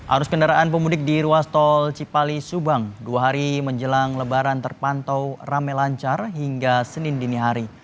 arus kendaraan pemudik di ruas tol cipali subang dua hari menjelang lebaran terpantau rame lancar hingga senin dini hari